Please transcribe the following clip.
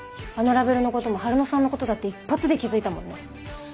あのラベルのことも春乃さんのことだって一発で気付いたもんね。